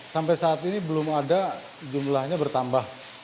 sampai saat ini belum ada jumlahnya bertambah